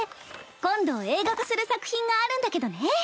今度映画化する作品があるんだけどね。